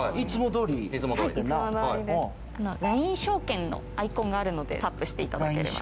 証券のアイコンがあるのでタップしていただければ。